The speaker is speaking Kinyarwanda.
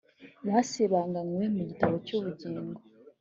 basibanganywe mu gitabo cy ubugingo